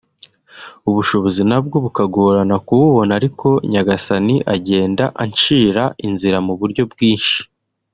ubushobozi nabwo bukagorana kububona ariko Nyagasani agenda ancira inzira mu buryo bwinshi”